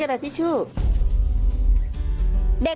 ไฟรัสช่วยด้วย